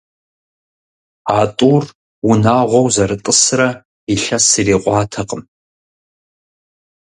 А тӀур унагъуэу зэрытӀысрэ илъэс ирикъуатэкъым.